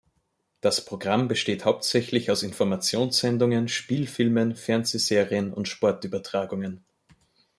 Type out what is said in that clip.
Das Programm besteht hauptsächlich aus Informationssendungen, Spielfilmen, Fernsehserien und Sportübertragungen.